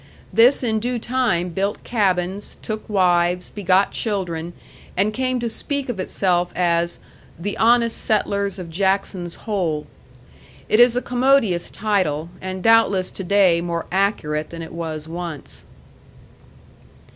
This in due time built cabins, took wives, begot children, and came to speak of itself as "The honest settlers of Jackson's Hole." It is a commodious title, and doubtless to day more accurate than it was once.